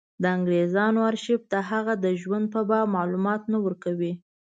د انګرېزانو ارشیف د هغه د ژوند په باب معلومات نه ورکوي.